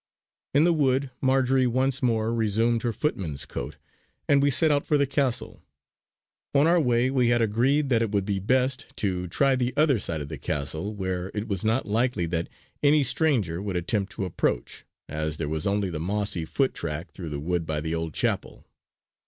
In the wood Marjory once more resumed her footman's coat, and we set out for the castle. On our way we had agreed that it would be best to try the other side of the castle where it was not likely that any stranger would attempt to approach, as there was only the mossy foot track through the wood by the old chapel.